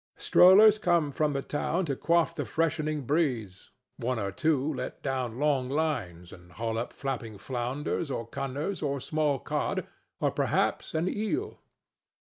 Strollers come from the town to quaff the freshening breeze. One or two let down long lines and haul up flapping flounders or cunners or small cod, or perhaps an eel.